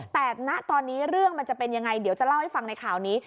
แต่ณตอนนี้เรื่องมันจะเป็นยังไงเดี๋ยวจะเล่าให้ฟังในข่าวนี้